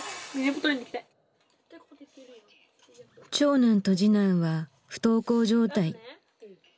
長男と次男は不登校状態。